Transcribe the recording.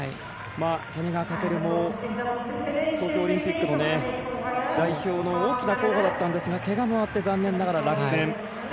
谷川翔も東京オリンピックの代表の大きな候補だったんですがけがもあって残念ながら落選。